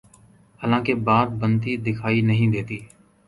حالانکہ بات بنتی دکھائی نہیں دیتی۔